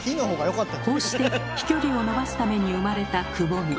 こうして飛距離を伸ばすために生まれたくぼみ。